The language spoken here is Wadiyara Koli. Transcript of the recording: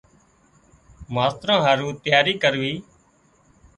ماستران هارُو تياري ڪروِي۔